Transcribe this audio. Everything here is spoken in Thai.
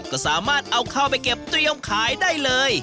ก็สามารถเอาเข้าไปเก็บเตรียมขายได้เลย